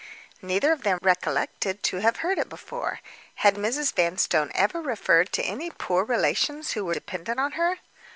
Neither of them recollected to have heard it before. Had Mrs. Vanstone ever referred to any poor relations who were dependent on her?